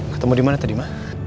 ketemu dimana tadi ma